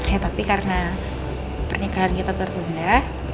ya tapi karena pernikahan kita tertunda